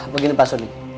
begini pak sony